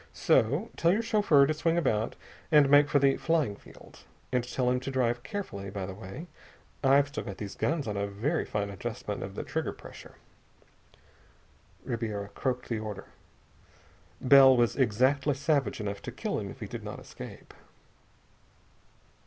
So ... tell your chauffeur to swing about and make for the flying field. And tell him to drive carefully, by the way. I've still got these guns on a very fine adjustment of the trigger pressure." Ribiera croaked the order. Bell was exactly savage enough to kill him if he did not escape.